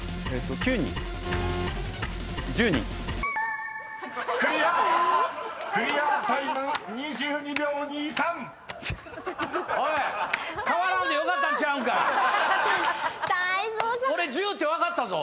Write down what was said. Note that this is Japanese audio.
俺「１０」って分かったぞ！